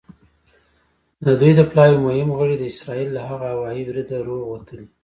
د دوی د پلاوي مهم غړي د اسرائیل له هغه هوايي بریده روغ وتلي.